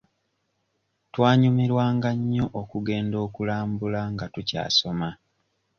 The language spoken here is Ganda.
Twanyumirwanga nnyo okugenda okulambula nga tukyasoma